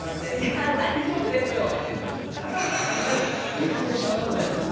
「できるでしょ」ぐらいの感じの。